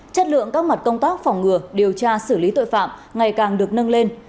chất lượng các mặt công tác phòng ngừa điều tra xử lý tội phạm ngày càng được nâng lên